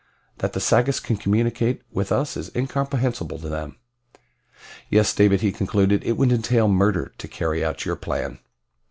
That the Sagoths can communicate with us is incomprehensible to them. "Yes, David," he concluded, "it would entail murder to carry out your plan."